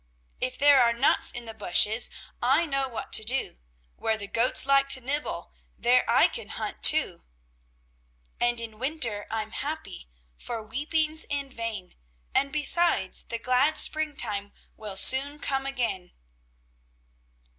"If there are nuts in the bushes I know what to do. Where the goats like to nibble, There I can hunt too. "And in winter I'm happy, For weeping's in vain, And, besides, the glad springtime Will soon come again."